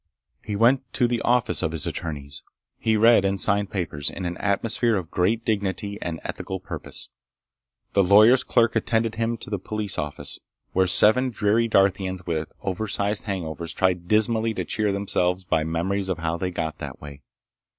He went to the office of his attorneys. He read and signed papers, in an atmosphere of great dignity and ethical purpose. The lawyer's clerk attended him to the police office, where seven dreary Darthians with oversized hangovers tried dismally to cheer themselves by memories of how they got that way.